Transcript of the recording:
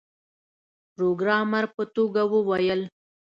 پروګرامر په ټوکه وویل